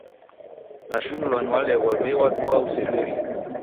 Nashinulwa ni Waleghwa w'ei waduaa usemerie.